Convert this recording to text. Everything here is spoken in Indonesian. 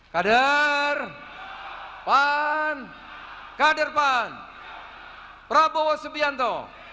kadir pan kadir pan prabowo subianto